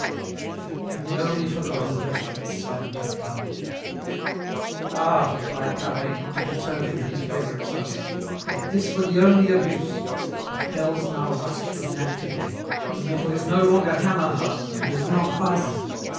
"If that were the only forgotten virtue!" sighed Durtal. "Ah!" replied Carhaix, not to be turned from his favourite subject, "and if this were the only abuse! But bells now rust from inactivity. The metal is no longer hammer hardened and is not vibrant.